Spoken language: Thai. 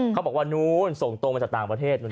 เขาบอกว่านู้นส่งตรงมาจากต่างประเทศ